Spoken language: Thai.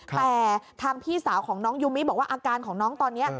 แต่ทางพี่สาวของน้องยูมิบอกว่าอาการของน้องตอนนี้